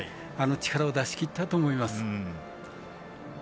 力を出しきったと思います。